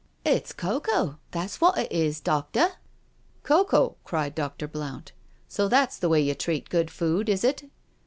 " It's cocoa, that's what it is, doctor." " Cocoa?" cried Dr. Blount; " so that's the way you treat good food, is it?"